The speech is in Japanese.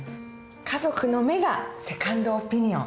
家族の目がセカンドオピニオン。